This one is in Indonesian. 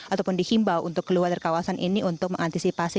ataupun dihimbau untuk keluar dari kawasan ini untuk mengantisipasi